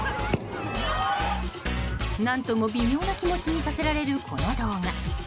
何とも微妙な気持ちにさせられる、この動画。